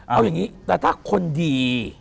เอาอย่างนี้แต่ถ้าคนดี